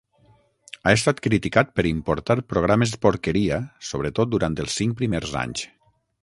Ha estat criticat per importar "programes porqueria", sobretot durant els cinc primers anys.